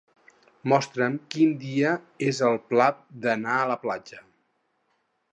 Mostra'm quin dia és el pla d'anar a la platja.